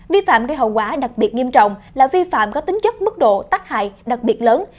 vi phạm gây hậu quả đặc biệt nghiêm trọng là vi phạm có tính chất mức độ tắc hại đặc biệt lớn